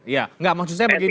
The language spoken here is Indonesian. ya tidak maksud saya begini